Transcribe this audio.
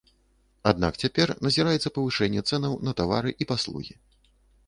Аднак цяпер назіраецца павышэнне цэнаў на тавары і паслугі.